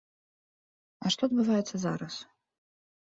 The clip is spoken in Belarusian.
А што адбываецца зараз?